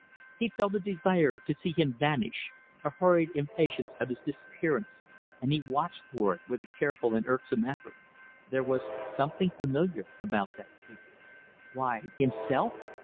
He felt a desire to see him vanish, a hurried impatience of his disappearance, and he watched for it with a careful and irksome effort. There was something familiar about that figure. Why! Himself!